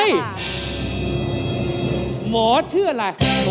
ใช่หมอชื่ออะไรหมอ